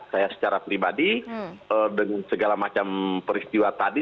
saya secara pribadi dengan segala macam peristiwa tadi